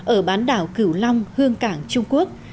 ở bán đảo cửu long hương cảng trung quốc